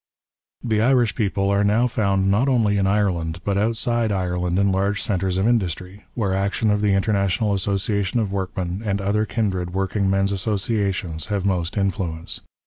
The Irish people are now found not only in Ireland, but outside Ireland in large centres of industry, where the action of the International Association of Workmen, and other kindred working men's associations, have most influence.